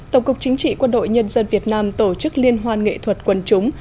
tổng cục chính trị quân đội nhân dân việt nam tổ chức liên hoan nghệ thuật quần chúng